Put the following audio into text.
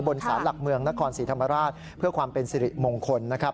สารหลักเมืองนครศรีธรรมราชเพื่อความเป็นสิริมงคลนะครับ